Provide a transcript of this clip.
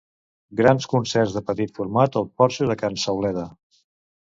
Grans concerts de petit format al porxo de can Sauleda